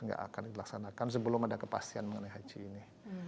tidak akan dilaksanakan sebelum ada kepastian mengenai haji ini